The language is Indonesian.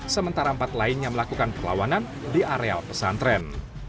sementara empat lainnya melakukan perlawanan di areal pesantren